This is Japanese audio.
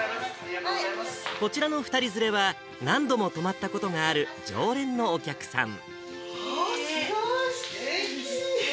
こちらの２人連れは、何度も泊まったことがある常連のお客さん。